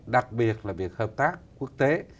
đặc biệt là việc hợp tác quốc tế